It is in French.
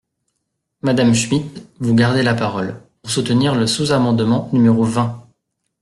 Madame Schmid, vous gardez la parole, pour soutenir le sous-amendement numéro vingt.